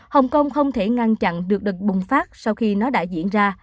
hồng kông không thể ngăn chặn được đợt bùng phát sau khi nó đã diễn ra